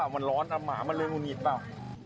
มันร้อนมันร้อนเอาหมามาเลยมึงหยิดป่าว